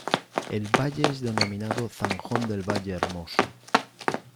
El valle es denominado "Zanjón del Valle Hermoso"".